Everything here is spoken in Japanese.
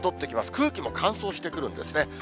空気も乾燥してくるんですね。